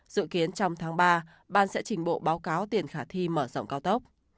dự kiến trong tháng ba ban sẽ trình bộ báo cáo tiền khả thi mở rộng cao tốc